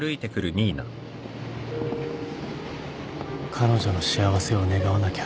彼女の幸せを願わなきゃ